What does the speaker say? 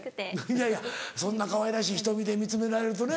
いやいやそんなかわいらしい瞳で見つめられるとね。